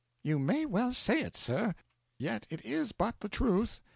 'You may well say it, sir. Yet it is but the truth.